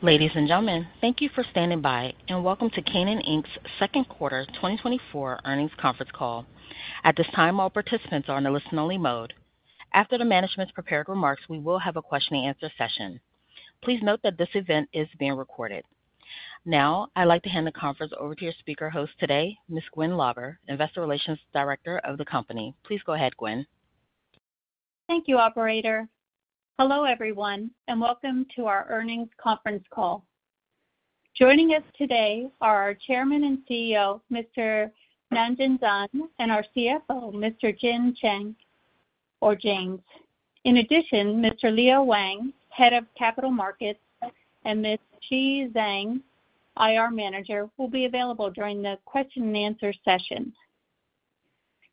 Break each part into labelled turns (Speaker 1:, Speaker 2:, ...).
Speaker 1: Ladies, and gentlemen, thank you for standing by, and welcome to Canaan Inc's Second Quarter 2024 Earnings Conference Call. At this time, all participants are in a listen-only mode. After the management's prepared remarks, we will have a question-and-answer session. Please note that this event is being recorded. Now, I'd like to hand the conference over to your speaker host today, Ms. Gwyn Lauber, Investor Relations Director of the company. Please go ahead, Gwyn.
Speaker 2: Thank you, Operator. Hello, everyone, and welcome to our earnings conference call. Joining us today are our Chairman and CEO, Mr. Nangeng Zhang, and our CFO, Mr. Jin Cheng, or James. In addition, Mr. Leo Wang, Head of Capital Markets, and Ms. Xi Zhang, IR Manager, will be available during the question-and-answer session.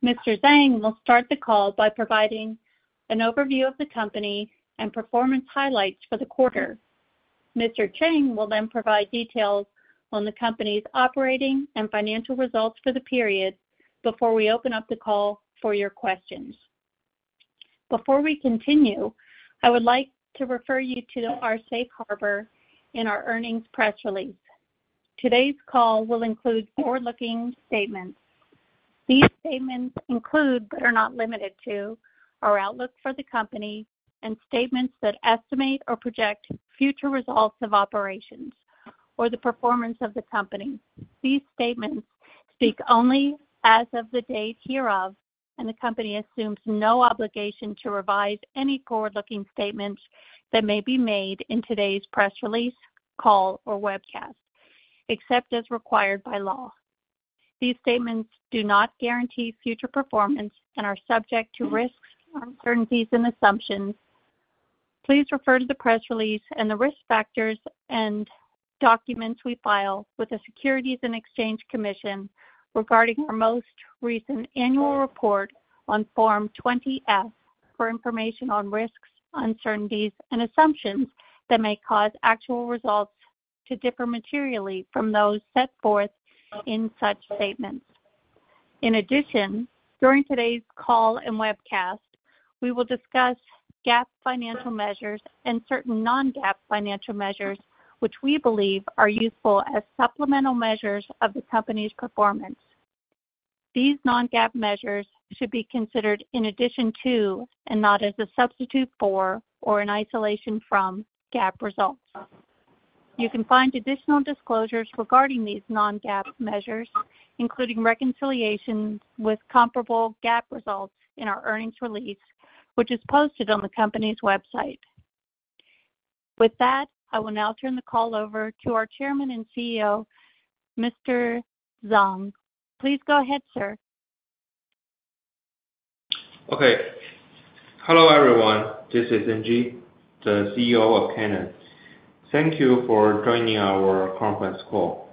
Speaker 2: Mr. Zhang will start the call by providing an overview of the company and performance highlights for the quarter. Mr. Cheng will then provide details on the company's operating and financial results for the period before we open up the call for your questions. Before we continue, I would like to refer you to our safe harbor in our earnings press release. Today's call will include forward-looking statements. These statements include, but are not limited to, our outlook for the company and statements that estimate or project future results of operations or the performance of the company. These statements speak only as of the date hereof, and the company assumes no obligation to revise any forward-looking statements that may be made in today's press release, call, or webcast, except as required by law. These statements do not guarantee future performance and are subject to risks, uncertainties and assumptions. Please refer to the press release and the risk factors and documents we file with the Securities and Exchange Commission regarding our most recent annual report on Form 20-F for information on risks, uncertainties, and assumptions that may cause actual results to differ materially from those set forth in such statements. In addition, during today's call and webcast, we will discuss GAAP financial measures and certain non-GAAP financial measures, which we believe are useful as supplemental measures of the company's performance. These non-GAAP measures should be considered in addition to, and not as a substitute for or in isolation from, GAAP results. You can find additional disclosures regarding these non-GAAP measures, including reconciliations with comparable GAAP results in our earnings release, which is posted on the company's website. With that, I will now turn the call over to our Chairman and CEO, Mr. Zhang. Please go ahead, sir.
Speaker 3: Okay. Hello, everyone. This is NG, the CEO of Canaan. Thank you for joining our conference call.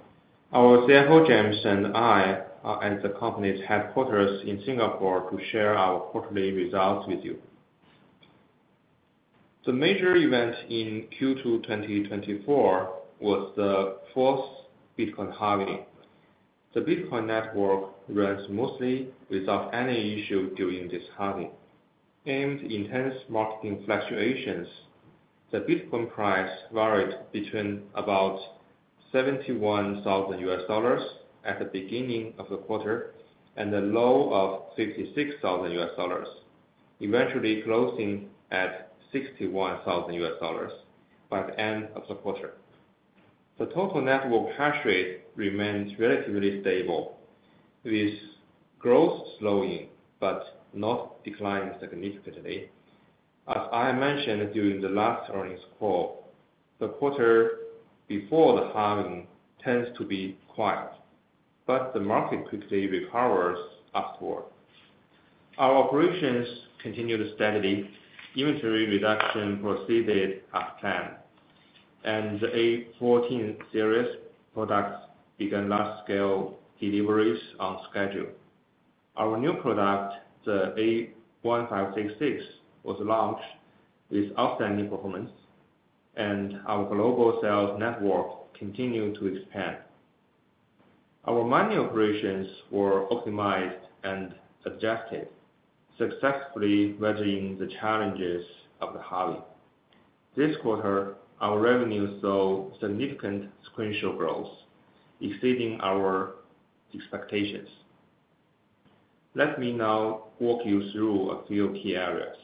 Speaker 3: Our CFO, James, and I are at the company's headquarters in Singapore to share our quarterly results with you. The major event in Q2 2024 was the fourth Bitcoin halving. The Bitcoin network runs mostly without any issue during this halving. Amid intense market fluctuations, the Bitcoin price varied between about $71,000 at the beginning of the quarter and a low of $56,000, eventually closing at $61,000 by the end of the quarter. The total network hash rate remains relatively stable, with growth slowing, but not declining significantly. As I mentioned during the last earnings call, the quarter before the halving tends to be quiet, but the market quickly recovers afterward. Our operations continued steadily. Inventory reduction proceeded as planned, and the A14 series products began large-scale deliveries on schedule. Our new product, the A1566, was launched with outstanding performance, and our global sales network continued to expand. Our mining operations were optimized and adjusted, successfully managing the challenges of the halving. This quarter, our revenue saw significant sequential growth, exceeding our expectations. Let me now walk you through a few key areas.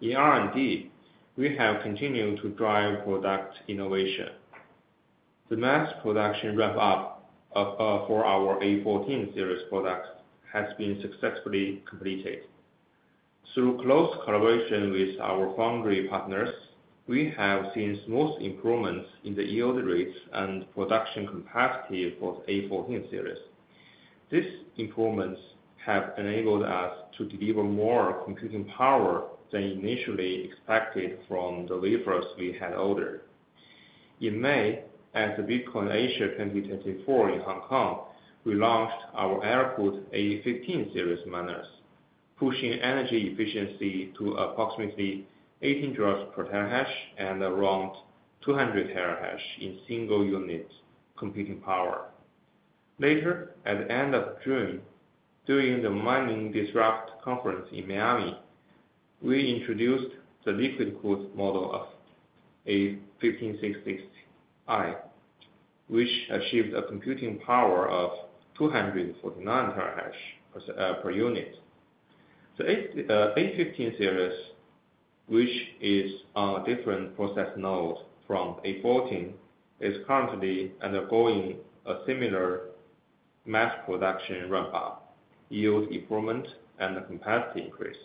Speaker 3: In R&D, we have continued to drive product innovation. The mass production ramp-up of, for our A14 series product has been successfully completed. Through close collaboration with our foundry partners, we have seen smooth improvements in the yield rates and production capacity for the A14 series. These improvements have enabled us to deliver more computing power than initially expected from the wafers we had ordered. In May, at the Bitcoin Asia 2024 in Hong Kong, we launched our air-cooled A15 series miners, pushing energy efficiency to approximately 18 joules per terahash and around 200 terahash in single unit computing power. Later, at the end of June, during the Mining Disrupt Conference in Miami, we introduced the liquid-cooled model of A1566I, which achieved a computing power of 249 terahash per unit. The A15 series, which is on a different process node from A14, is currently undergoing a similar mass production ramp-up, yield improvement, and capacity increase.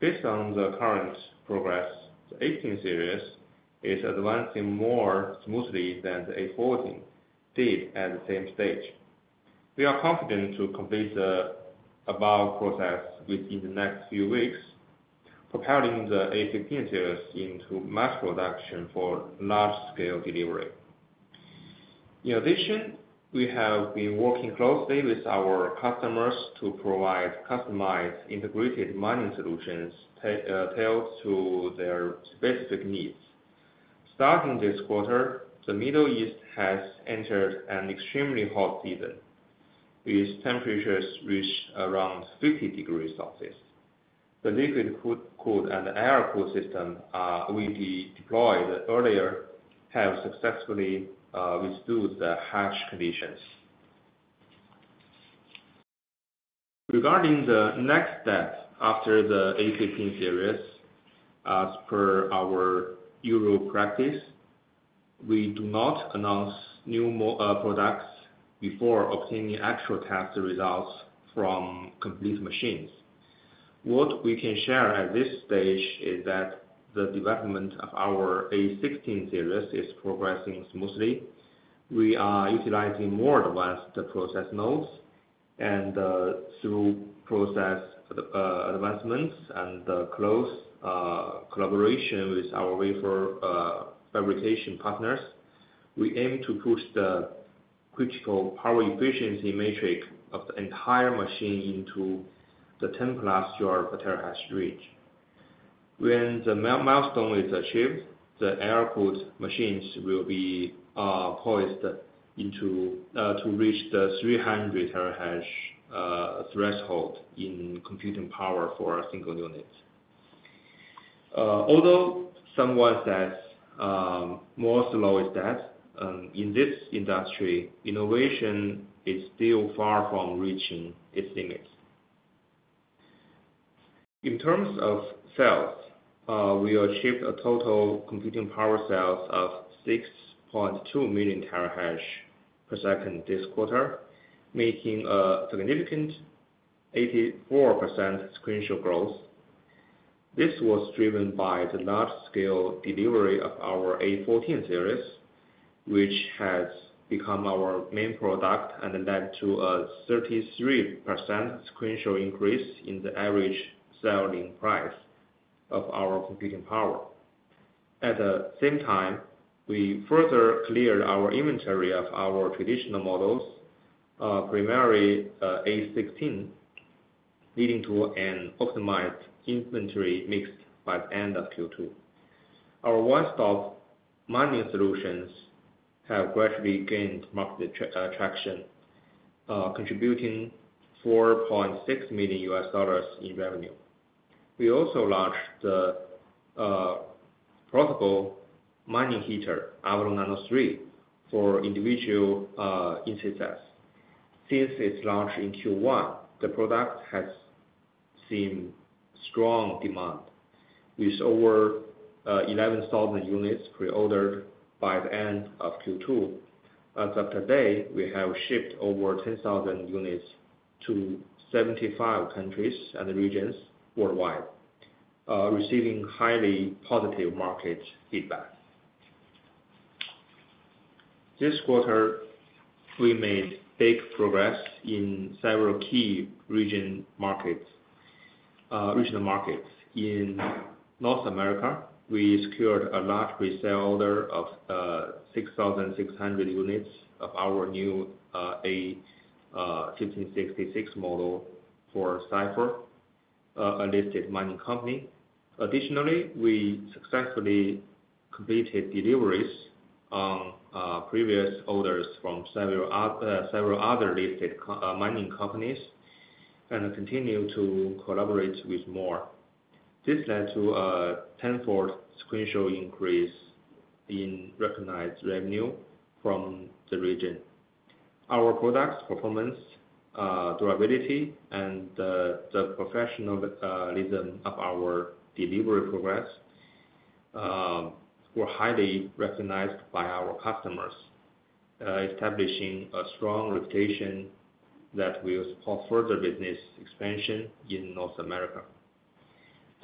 Speaker 3: Based on the current progress, the A15 series is advancing more smoothly than the A14 did at the same stage. We are confident to complete the above process within the next few weeks, propelling the A15 series into mass production for large-scale delivery. In addition, we have been working closely with our customers to provide customized, integrated mining solutions tailored to their specific needs. Starting this quarter, the Middle East has entered an extremely hot season, with temperatures reach around 50 degrees Celsius. The liquid-cooled and air-cooled system we deployed earlier have successfully withstood the harsh conditions. Regarding the next step after the A15 series, as per our usual practice, we do not announce new products before obtaining actual test results from complete machines. What we can share at this stage is that the development of our A16 series is progressing smoothly. We are utilizing more advanced process nodes and through process advancements and close collaboration with our wafer fabrication partners, we aim to push the critical power efficiency metric of the entire machine into the 10+ J/TH reach. When the milestone is achieved, the air-cooled machines will be poised to reach the 300 terahash threshold in computing power for a single unit. Although some would say more slowly, that in this industry, innovation is still far from reaching its limits. In terms of sales, we achieved a total computing power sales of 6.2 million terahash per second this quarter, making a significant 84% sequential growth. This was driven by the large-scale delivery of our A14 series, which has become our main product and led to a 33% sequential increase in the average selling price of our computing power. At the same time, we further cleared our inventory of our traditional models, primarily A16, leading to an optimized inventory mix by the end of Q2. Our one-stop mining solutions have gradually gained market traction, contributing $4.6 million in revenue. We also launched the portable mining heater, Avalon Nano 3, for individual interests. Since its launch in Q1, the product has seen strong demand, with over 11,000 units pre-ordered by the end of Q2. As of today, we have shipped over 10,000 units to 75 countries and regions worldwide, receiving highly positive market feedback. This quarter, we made big progress in several key regional markets. In North America, we secured a large resale order of 6,600 units of our new A1566 model for Cipher, a listed mining company. Additionally, we successfully completed deliveries on previous orders from several other listed mining companies, and continue to collaborate with more. This led to a tenfold sequential increase in recognized revenue from the region. Our products' performance, durability, and the professionalism of our delivery progress were highly recognized by our customers, establishing a strong reputation that will support further business expansion in North America.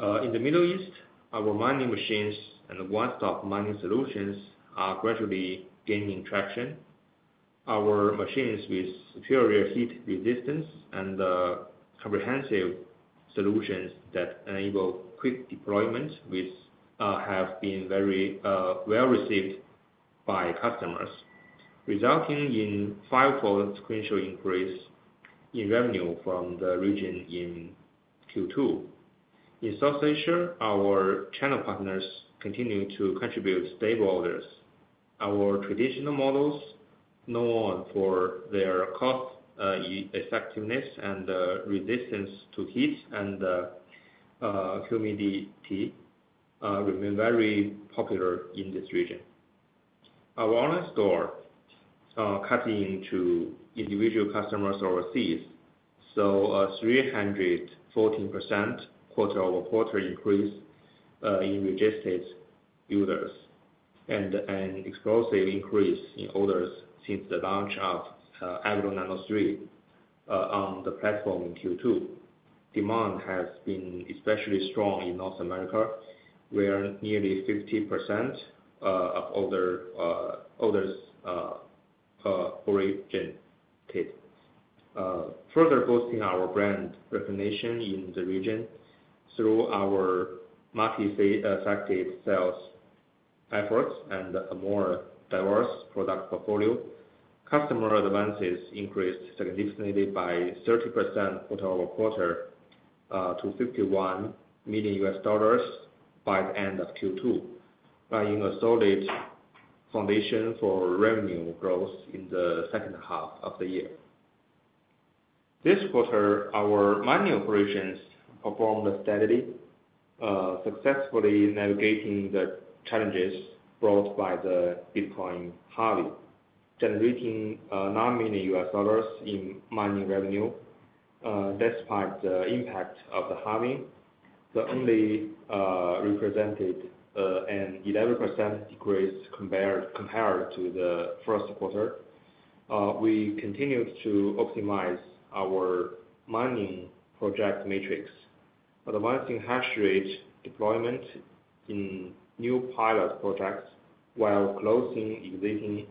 Speaker 3: In the Middle East, our mining machines and one-stop mining solutions are gradually gaining traction. Our machines with superior heat resistance and comprehensive solutions that enable quick deployment, which have been very well received by customers, resulting in fivefold sequential increase in revenue from the region in Q2. In South Asia, our channel partners continue to contribute stable orders. Our traditional models, known for their cost-effectiveness and resistance to heat and humidity, remain very popular in this region. Our online store, catering to individual customers overseas, saw a 314% quarter-over-quarter increase in registered users and an explosive increase in orders since the launch of Avalon Nano 3 on the platform in Q2. Demand has been especially strong in North America, where nearly 50% of orders originated. Further boosting our brand recognition in the region through our market-affected sales efforts and a more diverse product portfolio, customer advances increased significantly by 30% quarter-over-quarter to $51 million by the end of Q2, laying a solid foundation for revenue growth in the second half of the year. This quarter, our mining operations performed steadily, successfully navigating the challenges brought by the Bitcoin halving, generating $9 million in mining revenue, despite the impact of the halving, that only represented an 11% decrease compared to the first quarter. We continued to optimize our mining project matrix, advancing hash rate deployment in new pilot projects while closing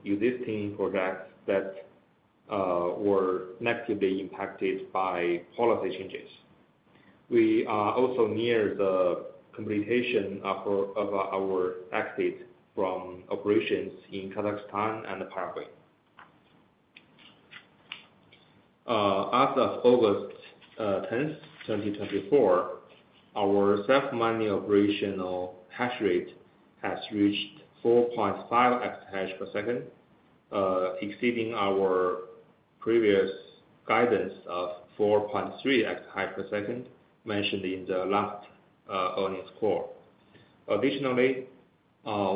Speaker 3: existing projects that were negatively impacted by policy changes. We are also near the completion of our exit from operations in Kazakhstan and Paraguay. As of August 10th, 2024, our self-mining operational hash rate has reached 4.5 exahash per second, exceeding our previous guidance of 4.3 exahash per second mentioned in the last earnings call. Additionally,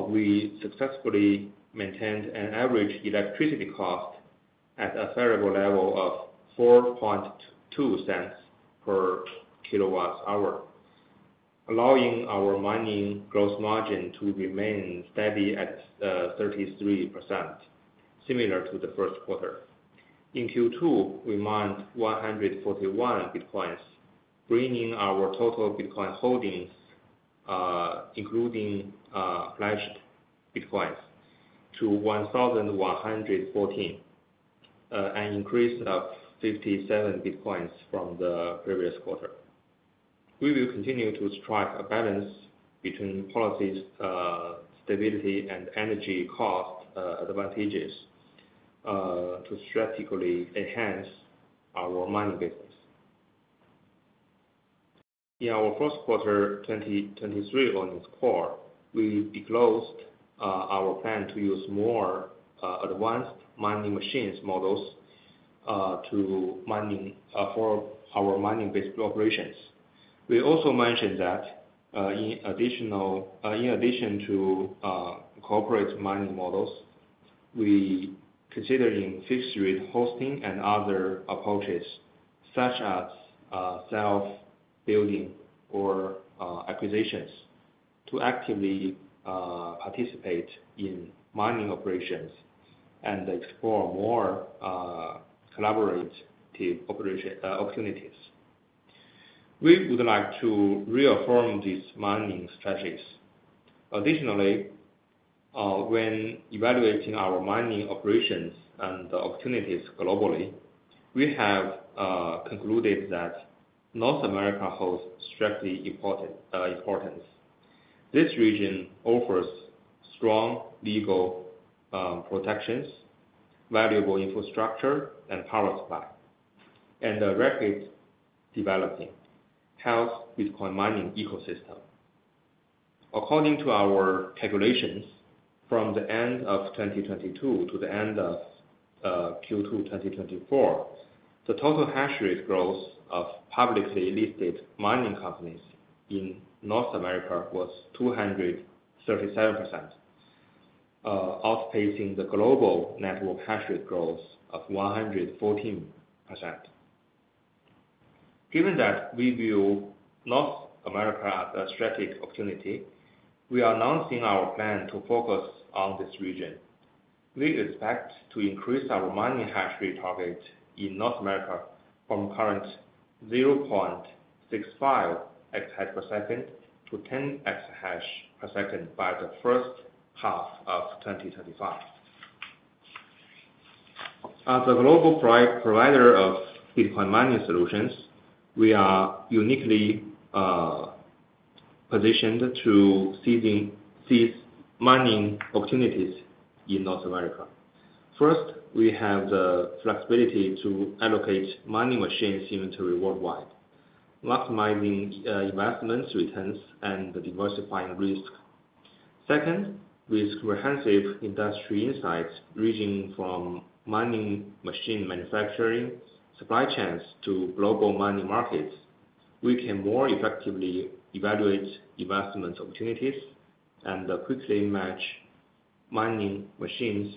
Speaker 3: we successfully maintained an average electricity cost at a favorable level of $0.042 per kWh, allowing our mining gross margin to remain steady at 33%, similar to the first quarter. In Q2, we mined 141 Bitcoins, bringing our total Bitcoin holdings, including pledged Bitcoins, to 1,114, an increase of 57 Bitcoins from the previous quarter. We will continue to strike a balance between policy stability and energy cost advantages to strategically enhance our mining business. In our first quarter 2023 earnings call, we disclosed our plan to use more advanced mining machines models for our mining-based operations. We also mentioned that, in addition to corporate mining models, we considering fixed-rate hosting and other approaches, such as self-building or acquisitions, to actively participate in mining operations and explore more collaborative operation opportunities. We would like to reaffirm these mining strategies. Additionally, when evaluating our mining operations and the opportunities globally, we have concluded that North America holds strategic importance. This region offers strong legal protections, valuable infrastructure and power supply, and a rapidly developing healthy Bitcoin mining ecosystem. According to our calculations, from the end of 2022 to the end of Q2 2024, the total hash rate growth of publicly listed mining companies in North America was 237%, outpacing the global network hash rate growth of 114%. Given that we view North America as a strategic opportunity, we are announcing our plan to focus on this region. We expect to increase our mining hash rate target in North America from current 0.65 exahash per second to 10 exahash per second by the first half of 2025. As a global provider of Bitcoin mining solutions, we are uniquely positioned to seizing these mining opportunities in North America. First, we have the flexibility to allocate mining machines inventory worldwide, maximizing investment returns and diversifying risk. Second, with comprehensive industry insights, ranging from mining machine manufacturing, supply chains, to global mining markets, we can more effectively evaluate investment opportunities and quickly match mining machines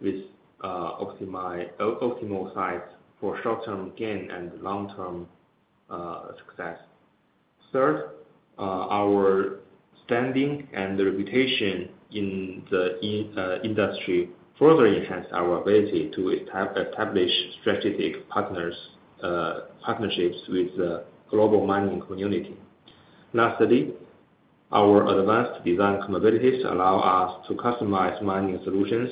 Speaker 3: with optimal sites for short-term gain and long-term success. Third, our standing and reputation in the industry further enhance our ability to establish strategic partnerships with the global mining community. Lastly, our advanced design capabilities allow us to customize mining solutions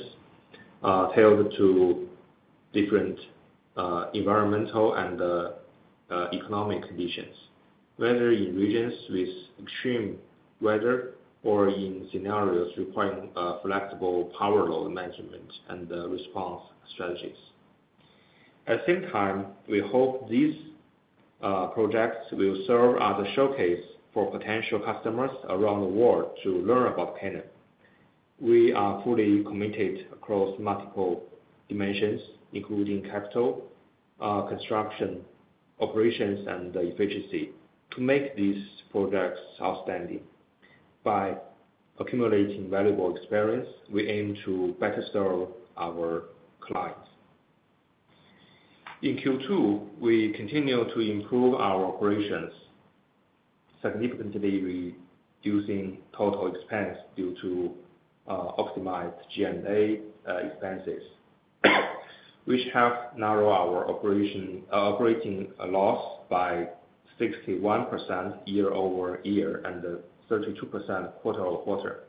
Speaker 3: tailored to different environmental and economic conditions, whether in regions with extreme weather or in scenarios requiring flexible power load management and response strategies. At the same time, we hope these projects will serve as a showcase for potential customers around the world to learn about Canaan. We are fully committed across multiple dimensions, including capital, construction, operations, and efficiency, to make these products outstanding. By accumulating valuable experience, we aim to better serve our clients. In Q2, we continued to improve our operations, significantly reducing total expense due to optimized G&A expenses, which have narrowed our operating loss by 61% year-over-year, and 32% quarter-over-quarter.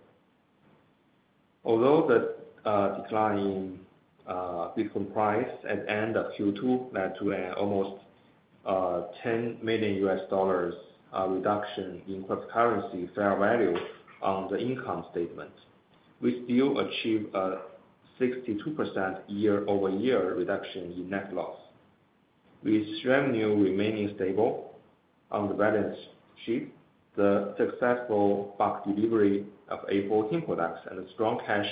Speaker 3: Although the decline in Bitcoin price at end of Q2 led to an almost $10 million reduction in cryptocurrency fair value on the income statement, we still achieved a 62% year-over-year reduction in net loss. With revenue remaining stable on the balance sheet, the successful bulk delivery of A14 products and strong cash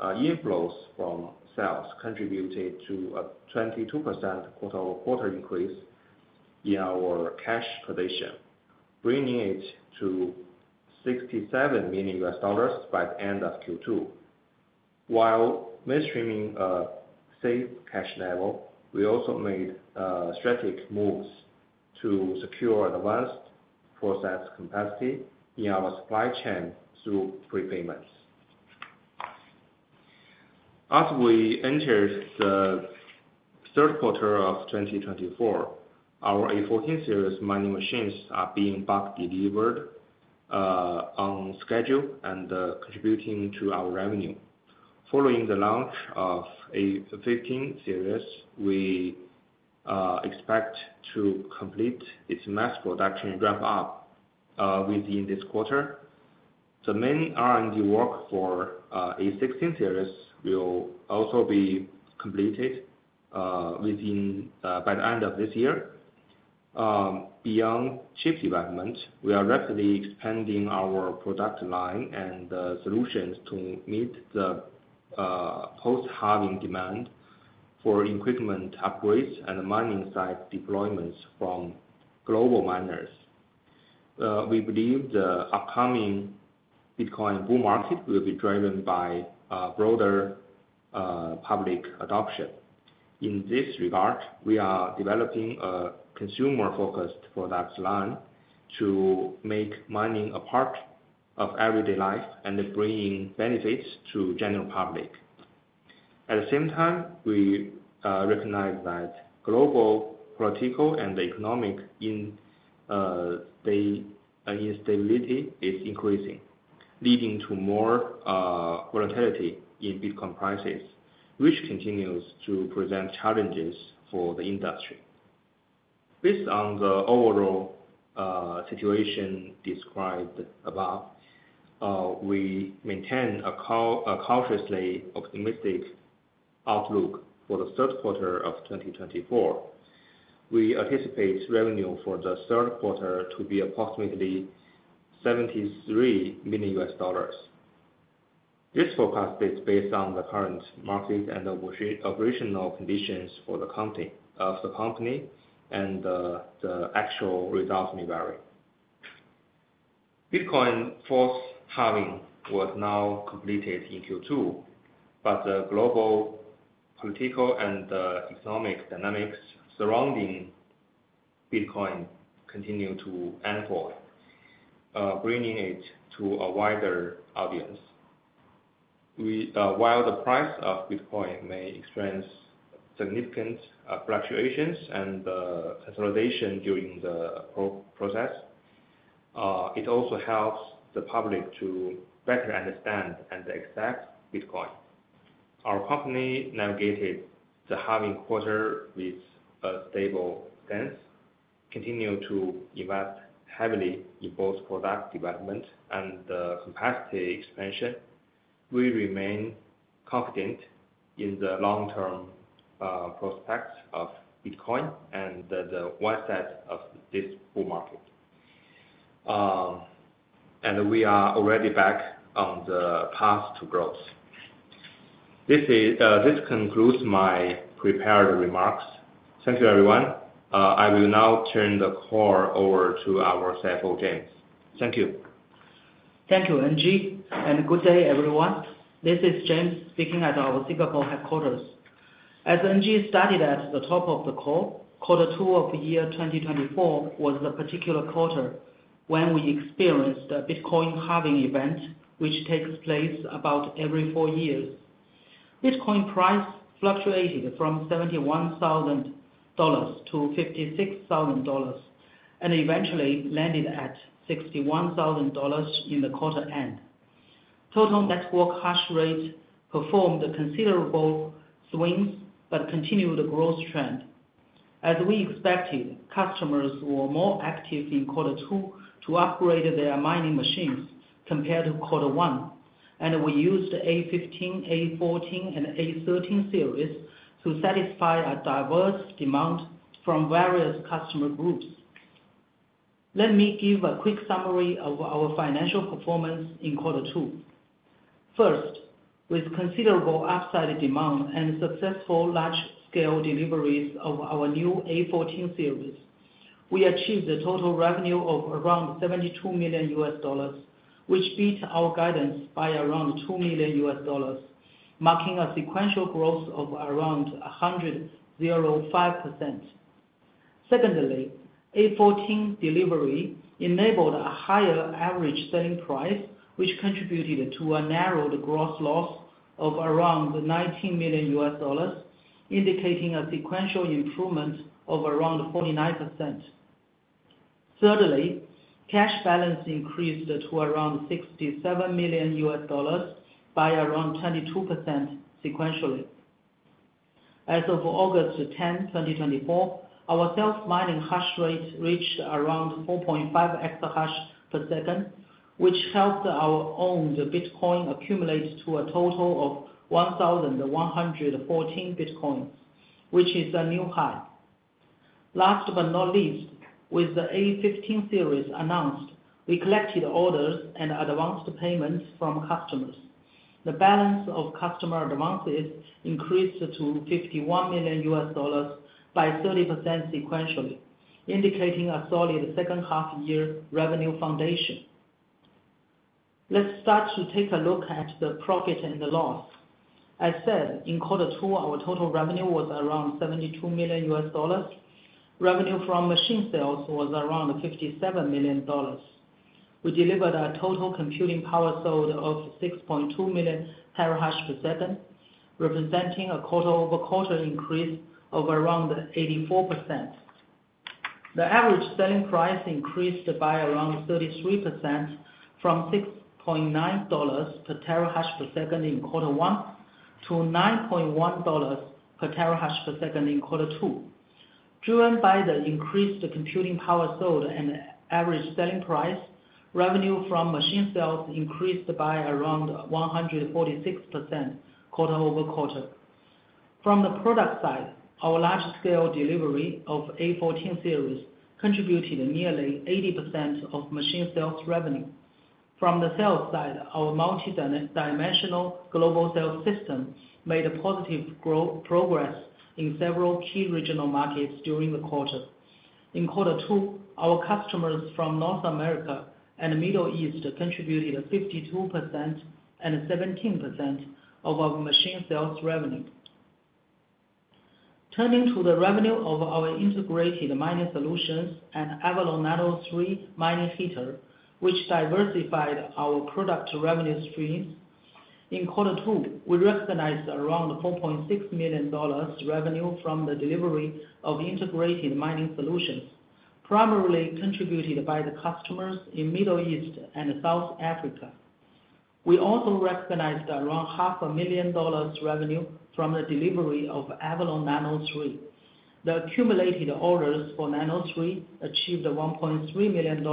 Speaker 3: inflows from sales contributed to a 22% quarter-over-quarter increase in our cash position, bringing it to $67 million by the end of Q2. While maintaining a safe cash level, we also made strategic moves to secure advanced process capacity in our supply chain through prepayments. As we enter the third quarter of 2024, our A14 series mining machines are being bulk delivered on schedule and contributing to our revenue. Following the launch of A15 series, we expect to complete its mass production ramp up within this quarter. The main R&D work for A16 series will also be completed by the end of this year. Beyond chip development, we are rapidly expanding our product line and solutions to meet the post-halving demand for equipment upgrades and mining site deployments from global miners. We believe the upcoming Bitcoin bull market will be driven by broader public adoption. In this regard, we are developing a consumer-focused product line to make mining a part of everyday life and bringing benefits to general public. At the same time, we recognize that global political and economic instability is increasing, leading to more volatility in Bitcoin prices, which continues to present challenges for the industry. Based on the overall situation described above, we maintain a cautiously optimistic outlook for the third quarter of 2024. We anticipate revenue for the third quarter to be approximately $73 million. This forecast is based on the current market and operational conditions for the company, of the company, and the actual results may vary. The Bitcoin fourth halving was now completed in Q2, but the global political and economic dynamics surrounding Bitcoin continue to unfold, bringing it to a wider audience. While the price of Bitcoin may experience significant fluctuations and consolidation during the process, it also helps the public to better understand and accept Bitcoin. Our company navigated the halving quarter with a stable stance, continue to invest heavily in both product development and capacity expansion. We remain confident in the long-term prospects of Bitcoin and the upside of this bull market. We are already back on the path to growth. This concludes my prepared remarks. Thank you, everyone. I will now turn the call over to our CFO, James. Thank you.
Speaker 4: Thank you, NG, and good day, everyone. This is James, speaking at our Singapore headquarters. As NG stated at the top of the call, quarter two of the year 2024 was the particular quarter when we experienced a Bitcoin halving event, which takes place about every four years. Bitcoin price fluctuated from $71,000-$56,000, and eventually landed at $61,000 in the quarter end. Total network hash rate performed considerable swings, but continued the growth trend. As we expected, customers were more active in quarter two to upgrade their mining machines compared to quarter one, and we used the A15, A14, and A13 series to satisfy a diverse demand from various customer groups. Let me give a quick summary of our financial performance in quarter two. First, with considerable upside demand and successful large-scale deliveries of our new A14 series, we achieved a total revenue of around $72 million, which beat our guidance by around $2 million, marking a sequential growth of around 105%. Secondly, A14 delivery enabled a higher average selling price, which contributed to a narrowed gross loss of around $19 million, indicating a sequential improvement of around 49%. Thirdly, cash balance increased to around $67 million by around 22% sequentially. As of August 10, 2024, our self-mining hash rate reached around 4.5 exahash per second, which helped our owned Bitcoin accumulate to a total of 1,114 Bitcoins, which is a new high. Last but not least, with the A15 series announced, we collected orders and advanced payments from customers. The balance of customer advances increased to $51 million by 30% sequentially, indicating a solid second half year revenue foundation. Let's start to take a look at the profit and the loss. I said in quarter two, our total revenue was around $72 million. Revenue from machine sales was around $57 million. We delivered a total computing power sold of 6.2 million TH/s, representing a quarter-over-quarter increase of around 84%. The average selling price increased by around 33% from $6.9 per TH/s in quarter one, to $9.1 per TH/s in quarter two. Driven by the increased computing power sold and average selling price, revenue from machine sales increased by around 146% quarter-over-quarter. From the product side, our large-scale delivery of A14 series contributed nearly 80% of machine sales revenue. From the sales side, our multi-dimensional global sales system made positive progress in several key regional markets during the quarter. In quarter two, our customers from North America and Middle East contributed 52% and 17% of our machine sales revenue. Turning to the revenue of our integrated mining solutions and Avalon Nano 3 mining heater, which diversified our product revenue streams. In quarter two, we recognized around $4.6 million revenue from the delivery of integrated mining solutions, primarily contributed by the customers in Middle East and South Africa. We also recognized around $500,000 revenue from the delivery of Avalon Nano 3. The accumulated orders for Nano 3 achieved $1.3 million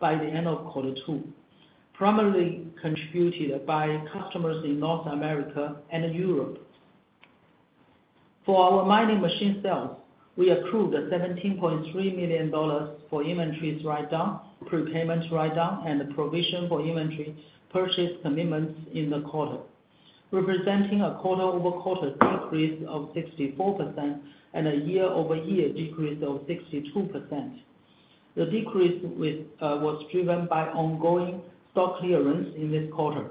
Speaker 4: by the end of quarter two, primarily contributed by customers in North America and Europe. For our mining machine sales, we accrued $17.3 million for inventories write-down, prepayment write-down, and provision for inventory purchase commitments in the quarter, representing a quarter-over-quarter decrease of 64% and a year-over-year decrease of 62%. The decrease was driven by ongoing stock clearance in this quarter.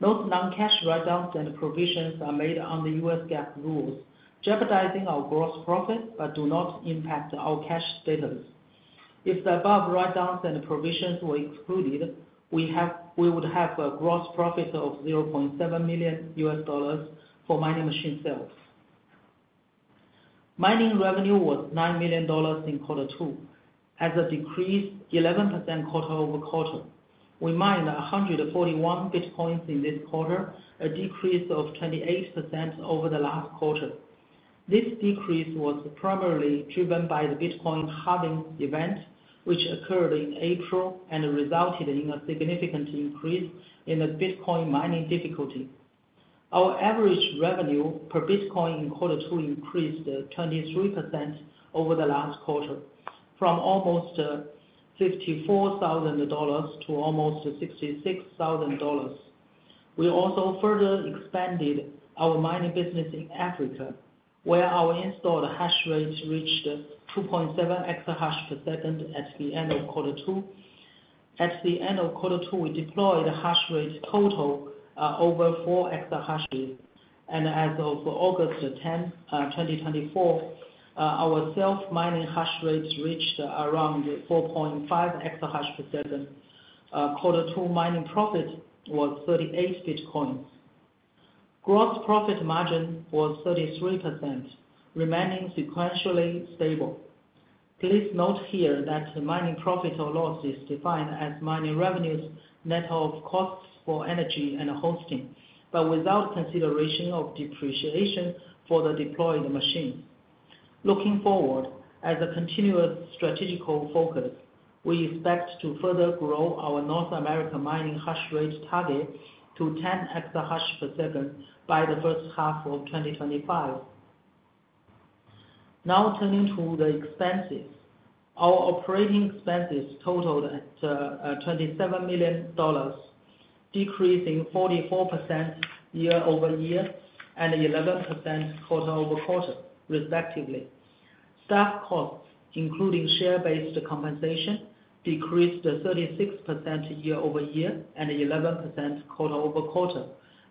Speaker 4: Those non-cash write-downs and provisions are made under U.S. GAAP rules, jeopardizing our gross profit, but do not impact our cash status. If the above write-downs and provisions were excluded, we would have a gross profit of $0.7 million for mining machine sales. Mining revenue was $9 million in quarter two, as a decrease 11% quarter-over-quarter. We mined 141 Bitcoins in this quarter, a decrease of 28% over the last quarter. This decrease was primarily driven by the Bitcoin halving event, which occurred in April and resulted in a significant increase in the Bitcoin mining difficulty. Our average revenue per Bitcoin in quarter two increased 23% over the last quarter, from almost $54,000 to almost $66,000. We also further expanded our mining business in Africa, where our installed hash rates reached 2.7 exahash per second at the end of quarter two. At the end of quarter two, we deployed a hash rate total over 4 exahash, and as of August 10th, 2024, our self-mining hash rates reached around 4.5 exahash per second. Quarter two mining profit was 38 Bitcoins. Gross profit margin was 33%, remaining sequentially stable. Please note here that the mining profit or loss is defined as mining revenues, net of costs for energy and hosting, but without consideration of depreciation for the deployed machine. Looking forward, as a continuous strategical focus, we expect to further grow our North American mining hash rate target to 10 exahash per second by the first half of 2025. Now, turning to the expenses. Our operating expenses totaled at $27 million, decreasing 44% year-over-year and 11% quarter-over-quarter, respectively. Staff costs, including share-based compensation, decreased 36% year-over-year and 11% quarter-over-quarter,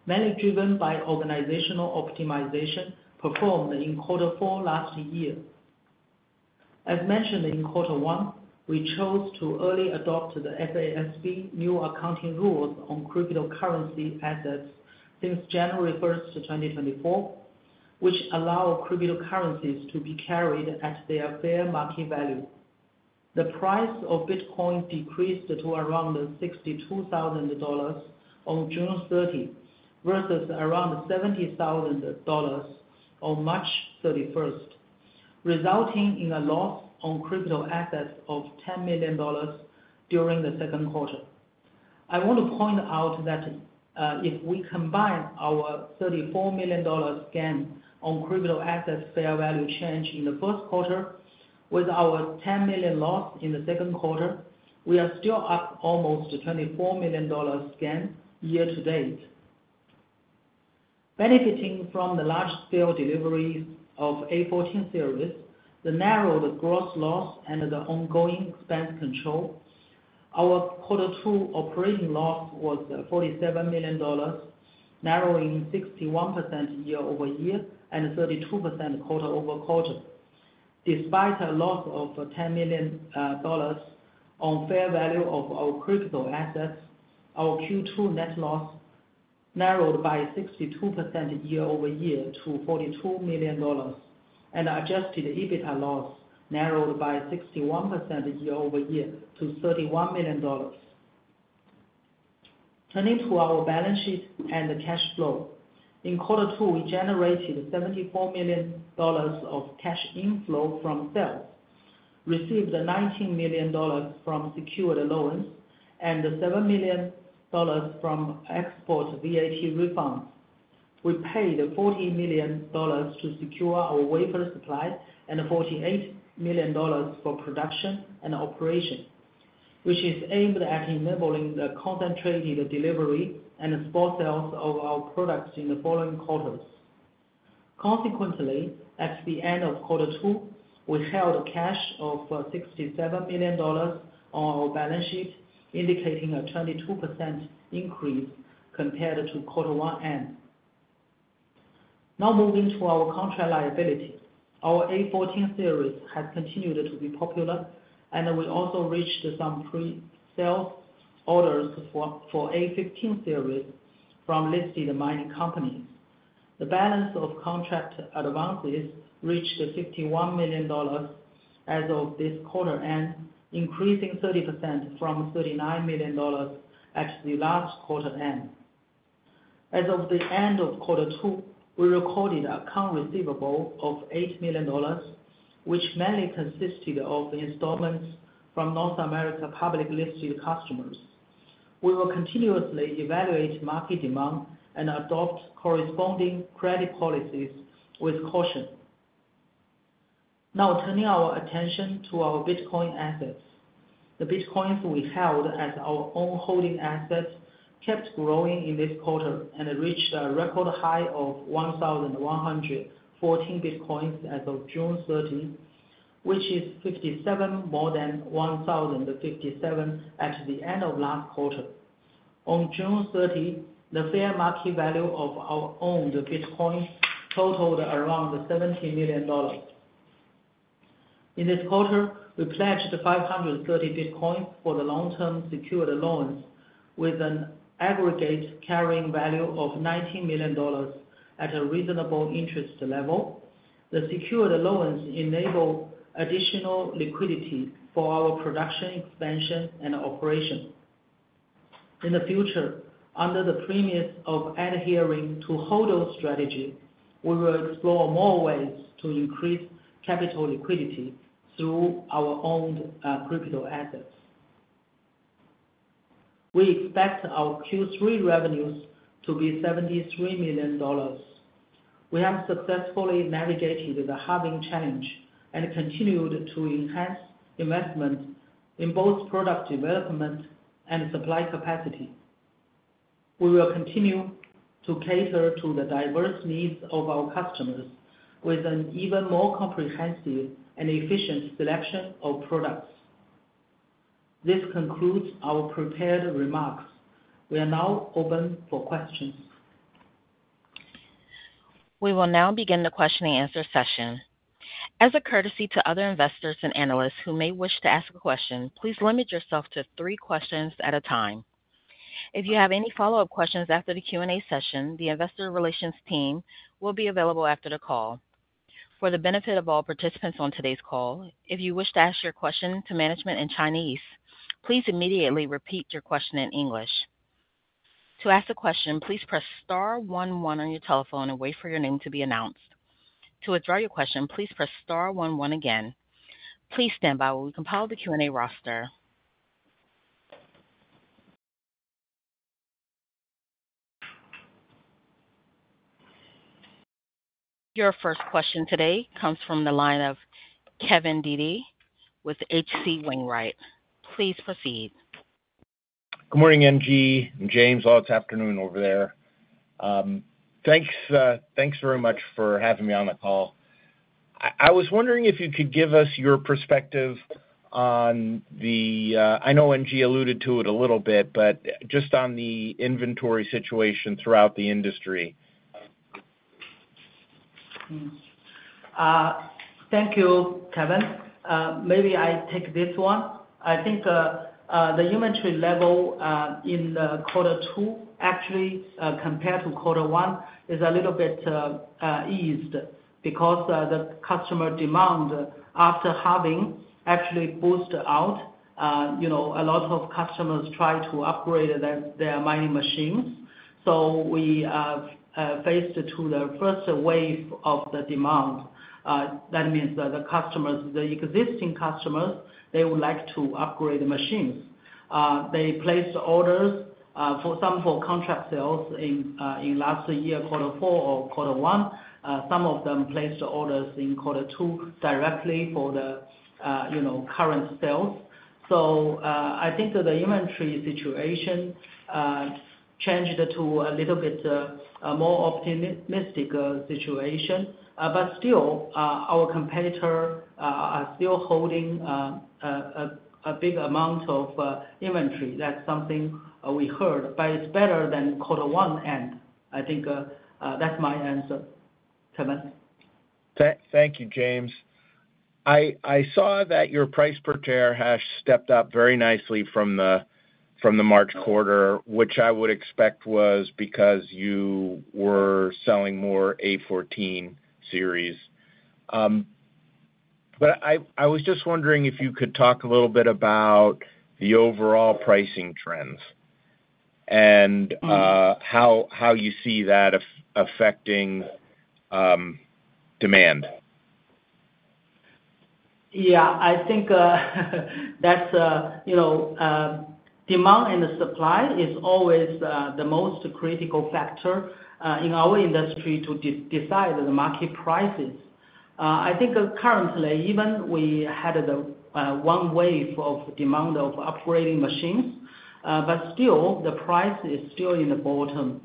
Speaker 4: mainly driven by organizational optimization performed in quarter four last year. As mentioned in quarter one, we chose to early adopt the FASB new accounting rules on cryptocurrency assets since January 1st, 2024, which allow cryptocurrencies to be carried at their fair market value. The price of Bitcoin decreased to around $62,000 on June 30, versus around $70,000 on March 31st, resulting in a loss on crypto assets of $10 million during the second quarter. I want to point out that, if we combine our $34 million gain on crypto assets fair value change in the first quarter with our $10 million loss in the second quarter, we are still up almost $24 million gain year-to-date. Benefiting from the large scale deliveries of A14 series, the narrowed gross loss and the ongoing expense control, our quarter two operating loss was $47 million, narrowing 61% year-over-year and 32% quarter-over-quarter. Despite a loss of ten million dollars on fair value of our crypto assets, our Q2 net loss narrowed by 62% year-over-year to $42 million, and Adjusted EBITDA loss narrowed by 61% year-over-year to $31 million. Turning to our balance sheet and the cash flow. In quarter two, we generated $74 million of cash inflow from sales, received $19 million from secured loans, and $7 million from export VAT refunds. We paid $40 million to secure our wafer supply and $48 million for production and operation, which is aimed at enabling the concentrated delivery and small sales of our products in the following quarters. Consequently, at the end of quarter two, we held cash of $67 million on our balance sheet, indicating a 22% increase compared to quarter one end. Now moving to our contract liability. Our A14 series has continued to be popular, and we also reached some pre-sale orders for A15 series from listed mining companies. The balance of contract advances reached $61 million as of this quarter end, increasing 30% from $39 million at the last quarter end. As of the end of quarter two, we recorded accounts receivable of $8 million, which mainly consisted of installments from North America public-listed customers. We will continuously evaluate market demand and adopt corresponding credit policies with caution. Now, turning our attention to our Bitcoin assets. The Bitcoins we held as our own holding assets kept growing in this quarter and reached a record high of 1,114 Bitcoins as of June 30, which is 57 more than 1,057 at the end of last quarter. On June 30, the fair market value of our owned Bitcoin totaled around $70 million. In this quarter, we pledged 530 Bitcoin for the long-term secured loans with an aggregate carrying value of $19 million at a reasonable interest level. The secured loans enable additional liquidity for our production, expansion, and operation. In the future, under the premise of adhering to HODL strategy, we will explore more ways to increase capital liquidity through our owned crypto assets. We expect our Q3 revenues to be $73 million. We have successfully navigated the halving challenge and continued to enhance investment in both product development and supply capacity. We will continue to cater to the diverse needs of our customers with an even more comprehensive and efficient selection of products. This concludes our prepared remarks. We are now open for questions.
Speaker 1: We will now begin the question-and-answer session. As a courtesy to other investors and analysts who may wish to ask a question, please limit yourself to three questions at a time. If you have any follow-up questions after the Q&A session, the investor relations team will be available after the call. For the benefit of all participants on today's call, if you wish to ask your question to management in Chinese, please immediately repeat your question in English. To ask a question, please press star one one on your telephone and wait for your name to be announced. To withdraw your question, please press star one one again. Please stand by while we compile the Q&A roster. Your first question today comes from the line of Kevin Dede with H.C. Wainwright. Please proceed.
Speaker 5: Good morning, NG, and James, well, it's afternoon over there. Thanks, thanks very much for having me on the call. I was wondering if you could give us your perspective on the... I know NG alluded to it a little bit, but just on the inventory situation throughout the industry.
Speaker 4: Thank you, Kevin. Maybe I take this one. I think the inventory level in quarter two, actually, compared to quarter one, is a little bit eased because the customer demand after halving actually boost out, you know, a lot of customers try to upgrade their mining machines. So we have faced to the first wave of the demand. That means that the customers, the existing customers, they would like to upgrade the machines. They placed orders for some contract sales in last year, quarter four or quarter one. Some of them placed orders in quarter two directly for the, you know, current sales. So, I think that the inventory situation changed to a little bit more optimistic situation. But still, our competitor are still holding a big amount of inventory. That's something we heard, but it's better than quarter one, and I think that's my answer. Kevin?
Speaker 5: Thank you, James. I saw that your price per terahash stepped up very nicely from the March quarter, which I would expect was because you were selling more A14 series. But I was just wondering if you could talk a little bit about the overall pricing trends and-
Speaker 4: Mm-hmm.
Speaker 5: How do you see that affecting demand?
Speaker 4: Yeah, I think that's, you know, demand and the supply is always the most critical factor in our industry to decide the market prices. I think currently, even we had the one wave of demand of upgrading machines, but still, the price is still in the bottom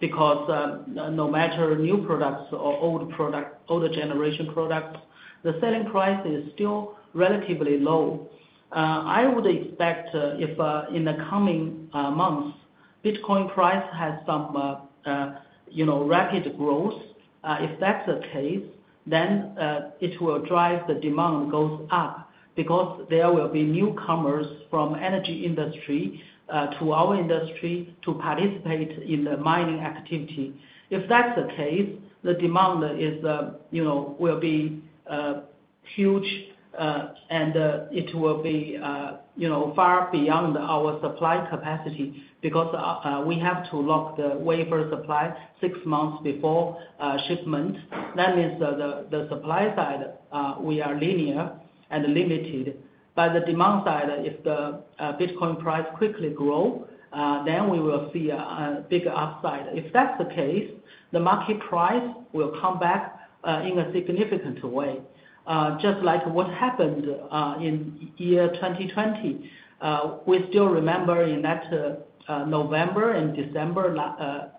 Speaker 4: because no matter new products or old product, older generation products, the selling price is still relatively low. I would expect if in the coming months, Bitcoin price has some, you know, rapid growth. If that's the case, then it will drive the demand goes up because there will be newcomers from energy industry to our industry to participate in the mining activity. If that's the case, the demand is, you know, will be huge, and it will be, you know, far beyond our supply capacity because we have to lock the wafer supply six months before shipment. That means the supply side, we are linear and limited. By the demand side, if the Bitcoin price quickly grow, then we will see a big upside. If that's the case, the market price will come back in a significant way, just like what happened in year 2020. We still remember in that November and December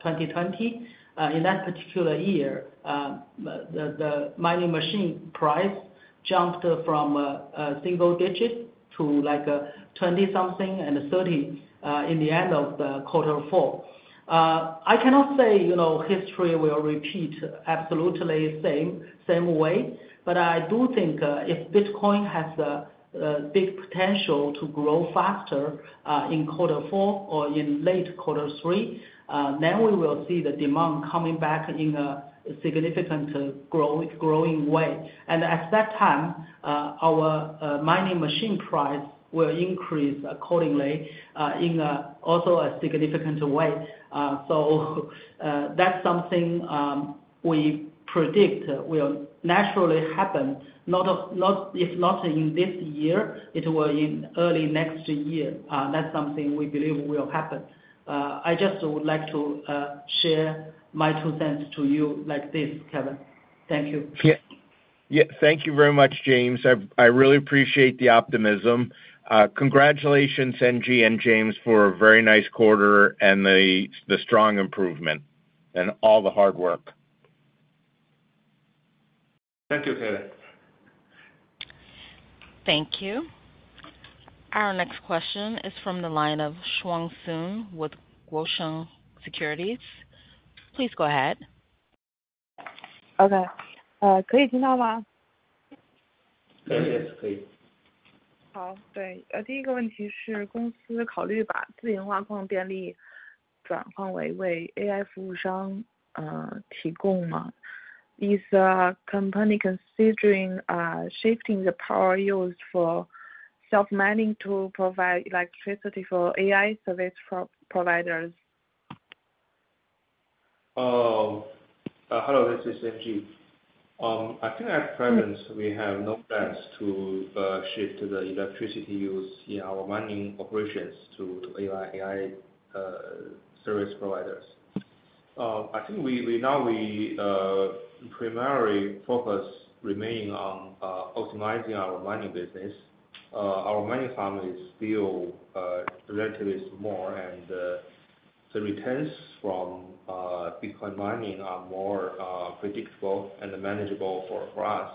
Speaker 4: 2020, in that particular year, the mining machine price jumped from a single digit to like 20-something and 30 in the end of the quarter four. I cannot say, you know, history will repeat absolutely same, same way, but I do think, if Bitcoin has a big potential to grow faster, in quarter four or in late quarter three, then we will see the demand coming back in a significant growing way. And at that time, our mining machine price will increase accordingly, in a also a significant way. So, that's something we predict will naturally happen. If not in this year, it will in early next year. That's something we believe will happen. I just would like to share my two cents to you like this, Kevin. Thank you.
Speaker 5: Yeah. Yeah, thank you very much, James. I really appreciate the optimism. Congratulations, NG and James, for a very nice quarter and the strong improvement and all the hard work.
Speaker 3: Thank you, Kevin.
Speaker 1: Thank you. Our next question is from the line of Shuang Sun with Guosheng Securities. Please go ahead.
Speaker 6: Is company considering shifting the power used for self-mining to provide electricity for AI service providers?
Speaker 3: Hello, this is NG. I think at present, we have no plans to shift the electricity use in our mining operations to AI service providers. I think we now primarily focus remaining on optimizing our mining business. Our mining farm is still relatively small, and the returns from Bitcoin mining are more predictable and manageable for us,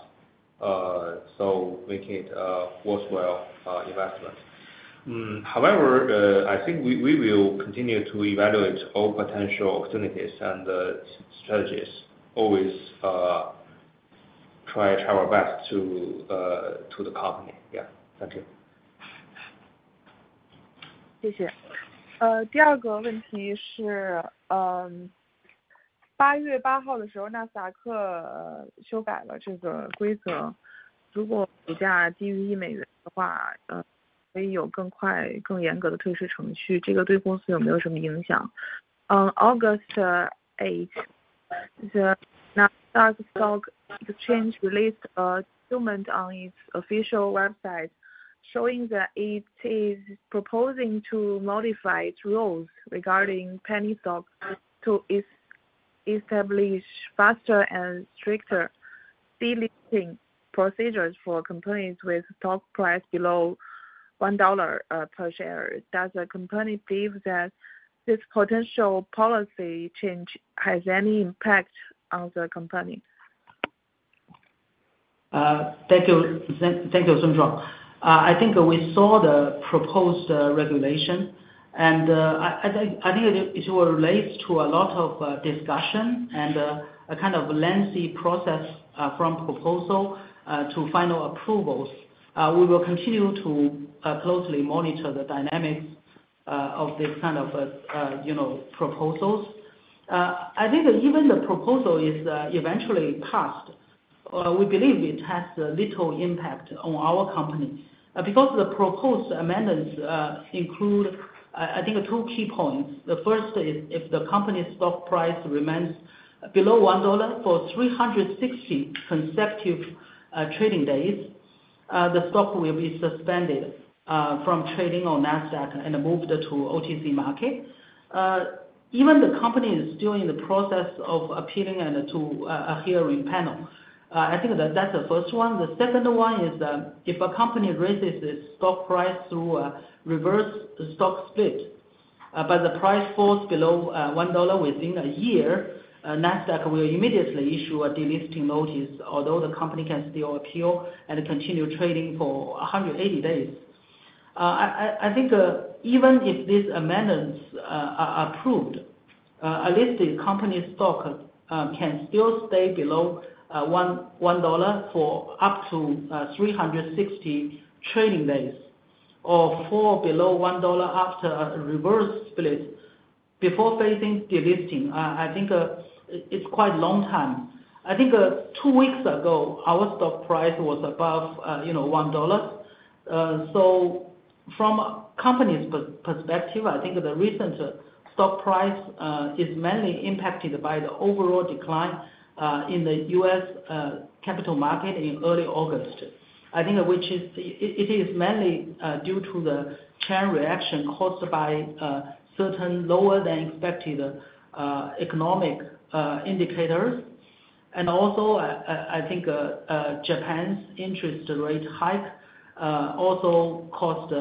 Speaker 3: so making it worth well investment. However, I think we will continue to evaluate all potential opportunities and strategies. Always try our best to the company. Yeah. Thank you.
Speaker 6: Thank you. On August 8th, the Nasdaq Stock Exchange released a statement on its official website showing that it is proposing to modify its rules regarding penny stocks to establish faster and stricter delisting procedures for companies with stock price below $1 per share. Does the company believe that this potential policy change has any impact on the company?
Speaker 4: Thank you, Shuang. I think we saw the proposed regulation, and I think it will relate to a lot of discussion and a kind of lengthy process from proposal to final approvals. We will continue to closely monitor the dynamics of this kind of, you know, proposals. I think even the proposal is eventually passed, we believe it has little impact on our company. Because the proposed amendments include, I think two key points. The first is, if the company's stock price remains below $1 for 360 consecutive trading days, the stock will be suspended from trading on Nasdaq and moved to OTC market. Even the company is still in the process of appealing to a hearing panel. I think that that's the first one. The second one is, if a company raises its stock price through a reverse stock split, but the price falls below $1 within a year, Nasdaq will immediately issue a delisting notice, although the company can still appeal and continue trading for 180 days. I think, even if these amendments are approved, a listed company's stock can still stay below $1 for up to 360 trading days, or fall below $1 after a reverse split before facing delisting. I think it's quite a long time. I think, two weeks ago, our stock price was above, you know, $1.... So from a company's perspective, I think the recent stock price is mainly impacted by the overall decline in the U.S. capital market in early August. I think it is mainly due to the chain reaction caused by certain lower than expected economic indicators. And also, I think Japan's interest rate hike also caused,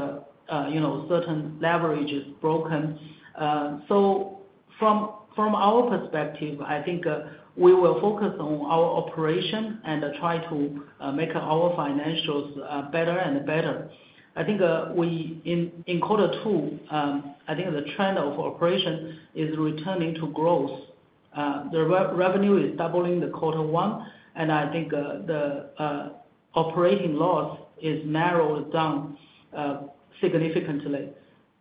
Speaker 4: you know, certain leverages broken. So from our perspective, I think we will focus on our operation and try to make our financials better and better. I think in quarter two, I think the trend of operation is returning to growth. The revenue is doubling the quarter one, and I think the operating loss is narrowed down significantly.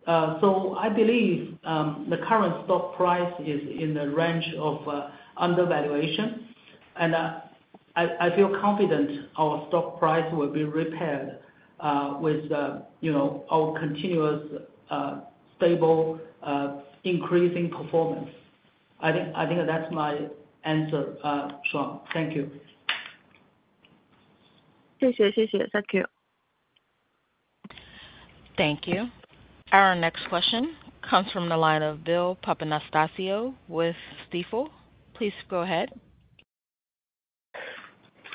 Speaker 4: So I believe the current stock price is in the range of undervaluation. And I feel confident our stock price will be repaired with, you know, our continuous stable increasing performance. I think that's my answer, Shuang. Thank you.
Speaker 6: Thank you.
Speaker 1: Thank you. Our next question comes from the line of Bill Papanastasiou with Stifel. Please go ahead.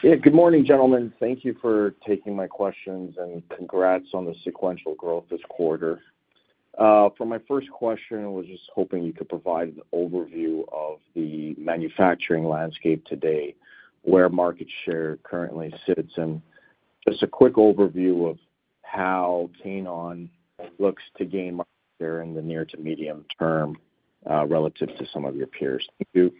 Speaker 7: Yeah. Good morning, gentlemen. Thank you for taking my questions, and congrats on the sequential growth this quarter. For my first question, I was just hoping you could provide an overview of the manufacturing landscape today, where market share currently sits, and just a quick overview of how Canaan looks to gain market share in the near to medium term, relative to some of your peers. Thank you.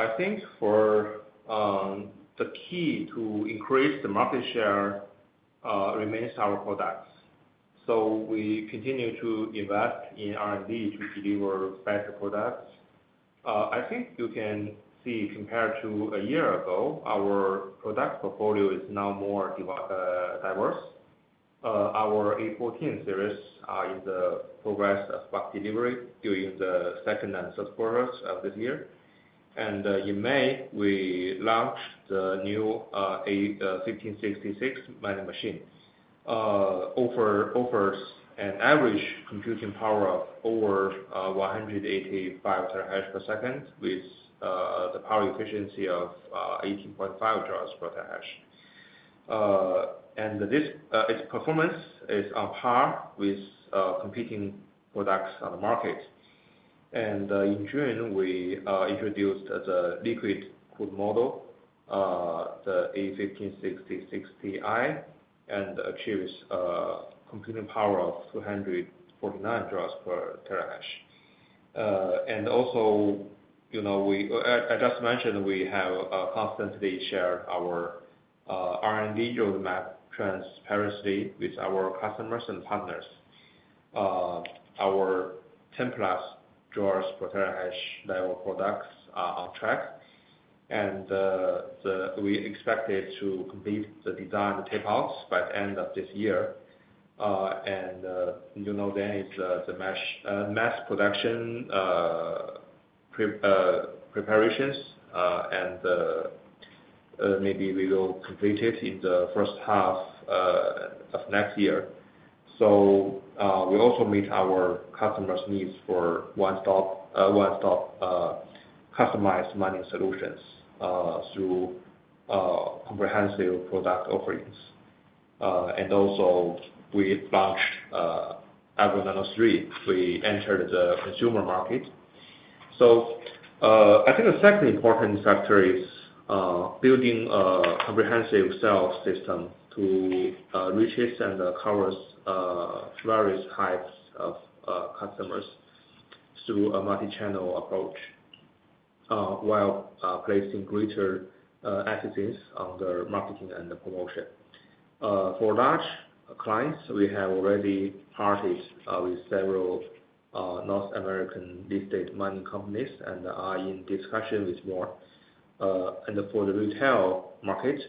Speaker 3: I think for the key to increase the market share remains our products. So we continue to invest in R&D to deliver better products. I think you can see, compared to a year ago, our product portfolio is now more diverse. Our A14 series are in the process of bulk delivery during the second and third quarters of this year. And in May, we launched the new A1566 mining machine. It offers an average computing power of over 185 terahash per second, with the power efficiency of 18.5 joules per terahash. And its performance is on par with competing products on the market. In June, we introduced the liquid cooled model, the A1566I, and achieves computing power of 249 joules per terahash. And also, you know, I just mentioned, we have constantly shared our R&D roadmap transparency with our customers and partners. Our 10+ joules per terahash level products are on track, and we expected to complete the design and tapeouts by the end of this year. And, you know, then it's the next mass production preparations, and maybe we will complete it in the first half of next year. So, we also meet our customers' needs for one-stop, one-stop customized mining solutions through comprehensive product offerings. And also we launched Avalon 3. We entered the consumer market. I think the second important factor is building a comprehensive sales system to reaches and covers various types of customers through a multi-channel approach, while placing greater emphasis on the marketing and the promotion. For large clients, we have already partnered with several North American listed mining companies and are in discussion with more. For the retail market,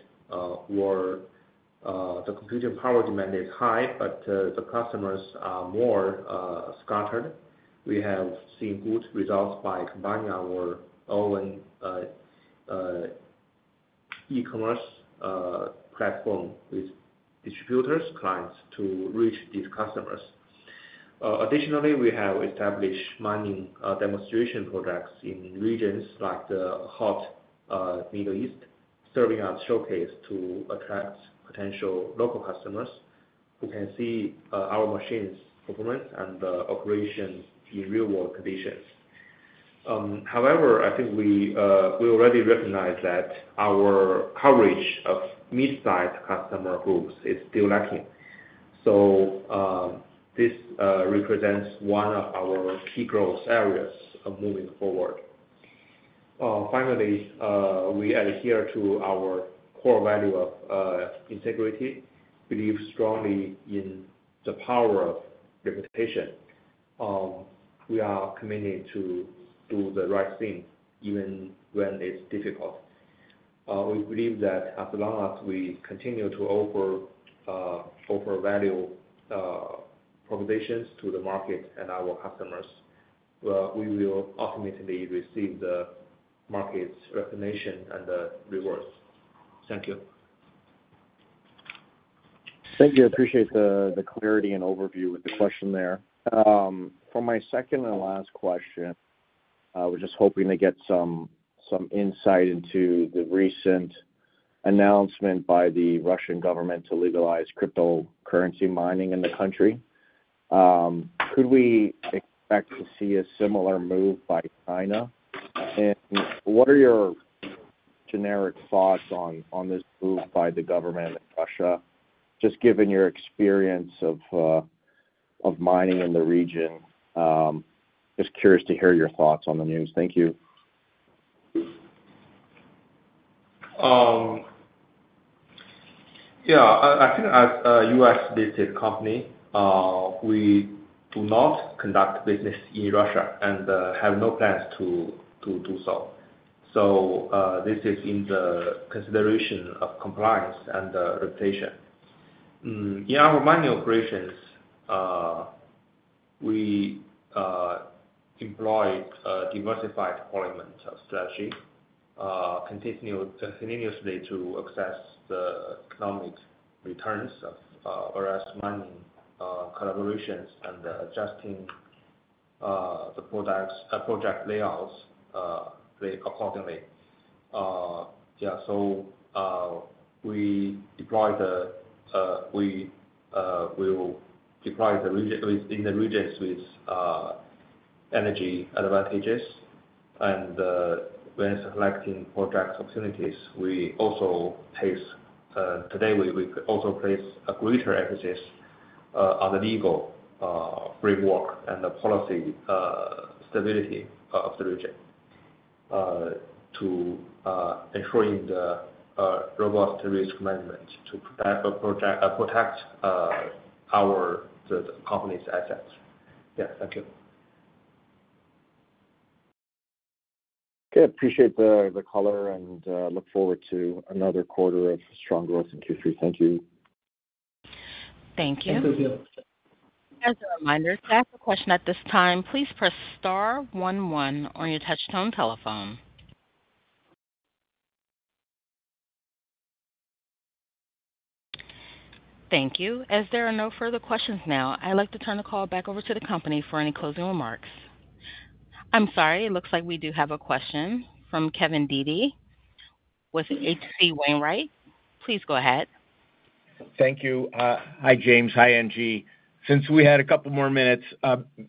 Speaker 3: where the computing power demand is high, but the customers are more scattered. We have seen good results by combining our own e-commerce platform with distributors, clients to reach these customers. Additionally, we have established mining demonstration products in regions like the hot Middle East, serving as showcase to attract potential local customers who can see our machines' performance and operations in real-world conditions. However, I think we already recognize that our coverage of mid-sized customer groups is still lacking. So, this represents one of our key growth areas of moving forward. Finally, we adhere to our core value of integrity, believe strongly in the power of reputation. We are committed to do the right thing, even when it's difficult. We believe that as long as we continue to offer value propositions to the market and our customers, well, we will ultimately receive the market's recognition and rewards. Thank you.
Speaker 7: Thank you. I appreciate the clarity and overview with the question there. For my second and last question, I was just hoping to get some insight into the recent announcement by the Russian government to legalize cryptocurrency mining in the country. Could we expect to see a similar move by China? And what are your generic thoughts on this move by the government of Russia, just given your experience of mining in the region? Just curious to hear your thoughts on the news. Thank you.
Speaker 3: Yeah, I think as a U.S.-listed company, we do not conduct business in Russia and have no plans to do so. So, this is in the consideration of compliance and reputation. In our mining operations, we employ a diversified deployment of strategy, continue continuously to assess the economic returns of various mining collaborations and adjusting the project layouts accordingly. Yeah, so, we will deploy in the regions with energy advantages. When selecting project opportunities, we also place a greater emphasis on the legal framework and the policy stability of the region to ensuring the robust risk management to protect our project our the company's assets. Yeah. Thank you.
Speaker 7: Okay, appreciate the color, and look forward to another quarter of strong growth in Q3. Thank you.
Speaker 1: Thank you.
Speaker 3: Thank you.
Speaker 1: As a reminder, to ask a question at this time, please press star one one on your touchtone telephone. Thank you. As there are no further questions now, I'd like to turn the call back over to the company for any closing remarks. I'm sorry. It looks like we do have a question from Kevin Dede with H.C. Wainwright. Please go ahead.
Speaker 5: Thank you. Hi, James. Hi, NG. Since we had a couple more minutes,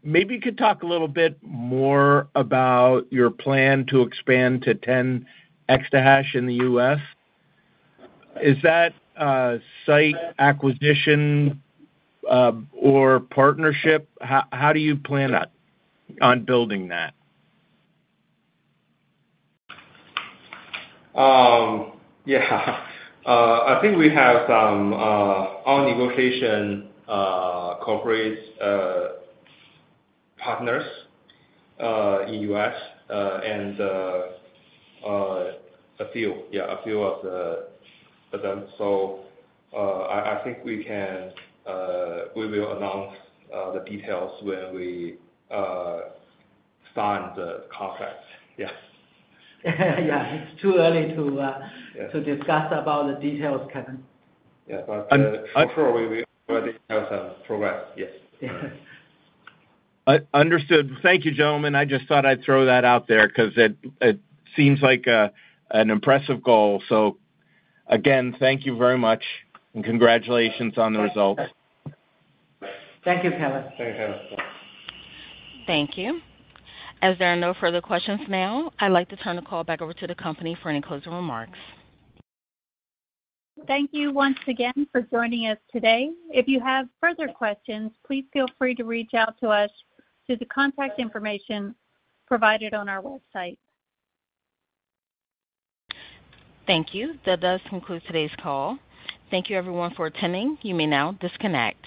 Speaker 5: maybe you could talk a little bit more about your plan to expand to 10 exahash in the U.S. Is that a site acquisition or partnership? How do you plan on building that?
Speaker 3: Yeah. I think we have some ongoing negotiations with corporate partners in the U.S. and a few, yeah, a few of them. So, I think we will announce the details when we sign the contract. Yes.
Speaker 4: Yeah. It's too early to,
Speaker 3: Yeah.
Speaker 4: to discuss about the details, Kevin.
Speaker 3: Yeah, but, for sure we will have some progress. Yes.
Speaker 4: Yes.
Speaker 5: Understood. Thank you, gentlemen. I just thought I'd throw that out there because it seems like an impressive goal. So again, thank you very much and congratulations on the results.
Speaker 4: Thank you, Kevin.
Speaker 3: Thank you, Kevin.
Speaker 1: Thank you. As there are no further questions now, I'd like to turn the call back over to the company for any closing remarks.
Speaker 2: Thank you once again for joining us today. If you have further questions, please feel free to reach out to us through the contact information provided on our website.
Speaker 1: Thank you. That does conclude today's call. Thank you everyone for attending. You may now disconnect.